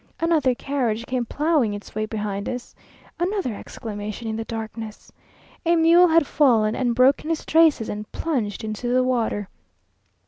Another carriage came ploughing its way behind us. Another exclamation in the darkness! A mule had fallen and broken his traces, and plunged into the water.